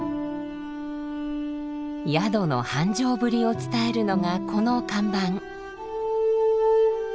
宿の繁盛ぶりを伝えるのがこの看板。